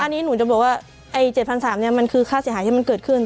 อันนี้หนูจะบอกว่า๗๓๐๐บาทมันคือค่าเสียหายที่มันเกิดขึ้น